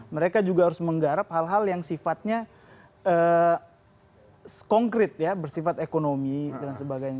mereka juga harus menggarap hal hal yang sifatnya konkret ya bersifat ekonomi dan sebagainya